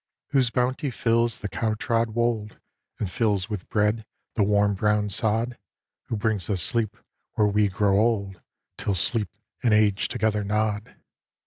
Whose bounty fills the cow trod wold, And fills with bread the warm brown sod. Who brings us sleep, where we grow old 'Til sleep and age together nod.